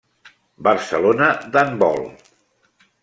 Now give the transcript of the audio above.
Barcelona d'handbol.